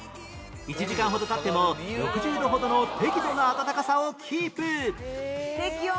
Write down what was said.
１時間ほど経っても６０度ほどの適度な温かさをキープ適温！